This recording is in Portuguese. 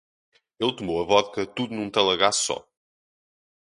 Ele tomou a vodka tudo num talagaço só